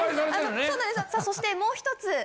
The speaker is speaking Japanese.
そしてもう１つ。